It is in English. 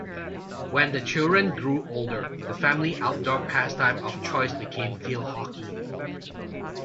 When the children grew older, the family's outdoor pastime of choice became field hockey.